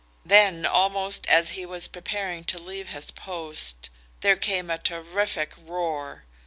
Then, almost as he was preparing to leave his post, there came a terrific roar.